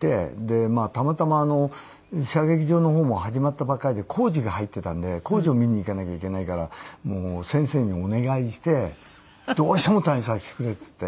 でたまたま射撃場の方も始まったばかりで工事が入ってたんで工事を見に行かなきゃいけないからもう先生にお願いして「どうしても退院させてくれ」って言って。